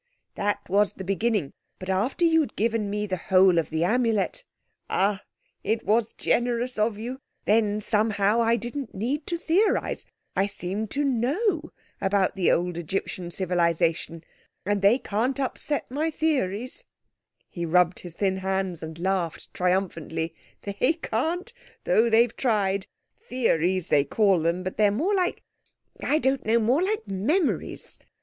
"That was the beginning. But after you'd given me the whole of the Amulet—ah, it was generous of you!—then, somehow, I didn't need to theorize, I seemed to know about the old Egyptian civilization. And they can't upset my theories"—he rubbed his thin hands and laughed triumphantly—"they can't, though they've tried. Theories, they call them, but they're more like—I don't know—more like memories.